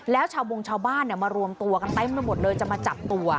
แล้วชาวบงชาวบ้านมารวมตัวกันเต็มไปหมดเลยจะมาจับตัว